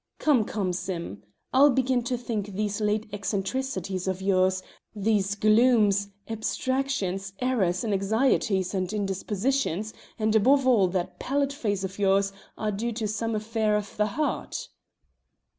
Come, come, Sim! I'll begin to think these late eccentricities of yours, these glooms, abstractions, errors, and anxieties and indispositions, and above all that pallid face of yours, are due to some affair of the heart."